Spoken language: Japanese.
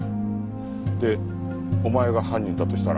でお前が犯人だとしたら。